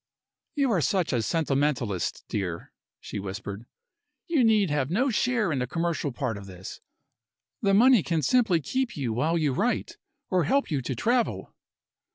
"You are such a sentimentalist, dear," she whispered. "You need have no share in the commercial part of this. The money can simply keep you while you write, or help you to travel."